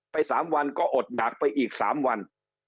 ไปสามวันก็อดหนักไปอีกสามวัน